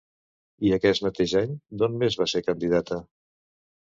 I aquest mateix any, d'on més va ser candidata?